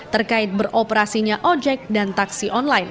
terkait beroperasinya ojek dan taksi online